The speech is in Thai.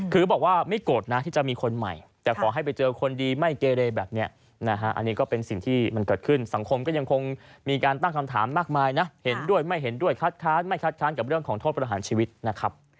คือบอกว่าไม่โกรธนะที่จะมีคนใหม่แต่ขอให้ไปเจอคนดีไม่เกเรแบบนี้นะฮะอันนี้ก็เป็นสิ่งที่มันเกิดขึ้นสังคมก็ยังคงมีการตั้งคำถามมากมายนะเห็นด้วยไม่เห็นด้วยคัดค้านไม่คัดค้านกับเรื่องของโทษประหารชีวิตนะครับ